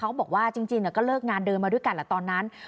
คุณสุภาษิตรบอกแบบนี้เหมือนกันว่า